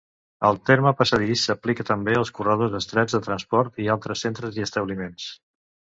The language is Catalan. El terme passadís s'aplica també als corredors estrets de transports i altres centres i establiments.